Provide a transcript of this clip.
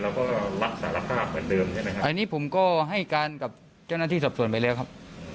เราก็รับสารภาพเหมือนเดิมใช่ไหมครับอันนี้ผมก็ให้การกับเจ้าหน้าที่สอบส่วนไปแล้วครับ